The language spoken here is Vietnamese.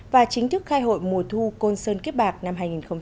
và chính thức khai hội mùa thu côn sơn kiếp bạc năm hai nghìn một mươi sáu